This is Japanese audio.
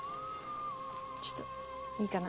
ちょっといいかな？